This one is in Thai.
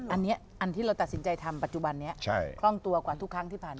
อันนี้อันที่เราตัดสินใจทำปัจจุบันนี้คล่องตัวกว่าทุกครั้งที่ผ่านมา